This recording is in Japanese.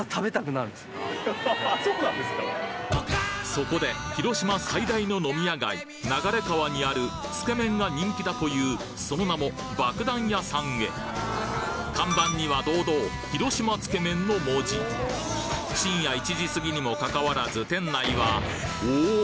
そこで広島最大の飲み屋街流川にあるつけ麺が人気だというその名も看板には堂々「廣島つけ麺」の文字深夜１時すぎにもかかわらず店内はおお！